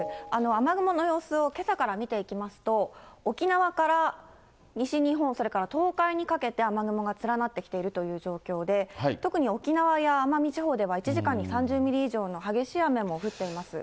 雨雲の様子をけさから見ていきますと、沖縄から西日本、それから東海にかけて雨雲が連なってきているという状況で、特に沖縄や奄美地方では、１時間に３０ミリ以上の激しい雨も降っています。